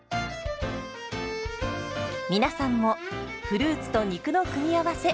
皆さんもフルーツと肉の組み合わせ